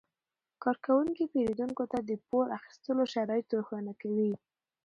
کارکوونکي پیرودونکو ته د پور اخیستلو شرایط روښانه کوي.